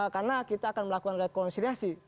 karena kita akan melakukan rekonsiliasi